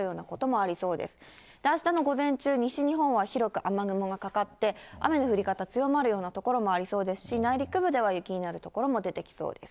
あしたの午前中、西日本は広く雨雲がかかって、雨の降り方、強まるような所もありそうですし、内陸部では雪になる所も出てきそうです。